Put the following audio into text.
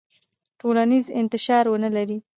ټولنیز انتشار ونلري.